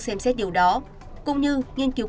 xem xét điều đó cũng như nghiên cứu